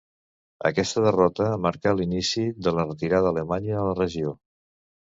Aquesta derrota marcà l'inici de la retirada alemanya a la regió.